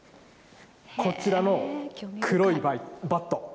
こちらの黒いバット。